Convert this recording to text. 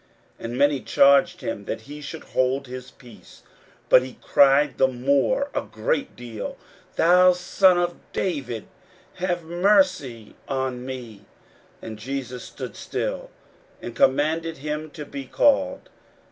41:010:048 And many charged him that he should hold his peace: but he cried the more a great deal, Thou son of David, have mercy on me. 41:010:049 And Jesus stood still, and commanded him to be called.